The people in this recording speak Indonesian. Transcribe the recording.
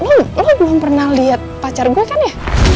lo lo belum pernah liat pacar gue kan ya